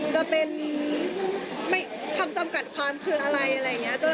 จะเป็นคำจำกัดความคืออะไรอะไรอย่างนี้